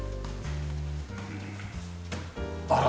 あら。